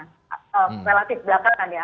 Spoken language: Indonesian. relatif belakangan ya